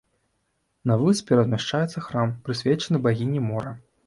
На выспе размяшчаецца храм, прысвечаны багіні мора.